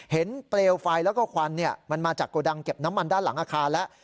เปลวไฟแล้วก็ควันมันมาจากโกดังเก็บน้ำมันด้านหลังอาคารแล้ว